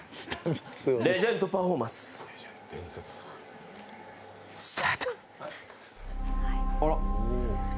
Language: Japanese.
レジェンドパフォーマンススタート！